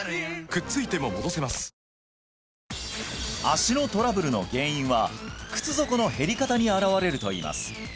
足のトラブルの原因は靴底の減り方に現れるといいます